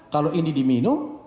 kalau ini diminum